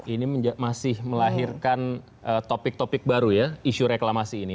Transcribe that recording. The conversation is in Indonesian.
ini masih melahirkan topik topik baru ya isu reklamasi ini